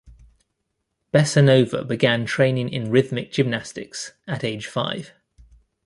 Bessonova began training in rhythmic gymnastics at age five.